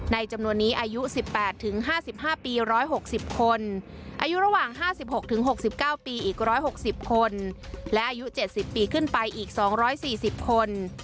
จำนวนนี้อายุ๑๘๕๕ปี๑๖๐คนอายุระหว่าง๕๖๖๙ปีอีก๑๖๐คนและอายุ๗๐ปีขึ้นไปอีก๒๔๐คน